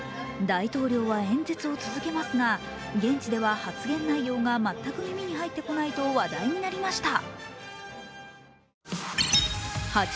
大統領は演説を続けますが現地では発言内容が全く耳に入ってこないと話題になりました。